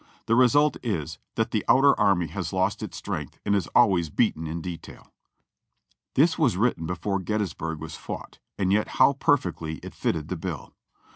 The result is, that the outer army has lost its strength and is always beaten in detail." This was written before Gettysburg was fought, and yet how perfectly it fitted the bill.